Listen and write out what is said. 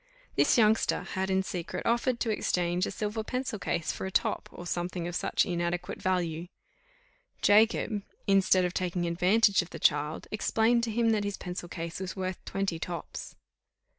This youngster had in secret offered to exchange a silver pencil case for a top, or something of such inadequate value: Jacob, instead of taking advantage of the child, explained to him that his pencil case was worth twenty tops.